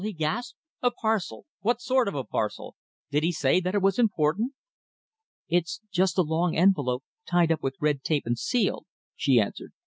he gasped. "A parcel! What sort of a parcel? Did he say that it was important?" "It's just a long envelope tied up with red tape and sealed," she answered.